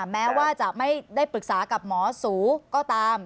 แม้ว่าจะไม่ได้ปรึกษากับหมอสูก็ตาม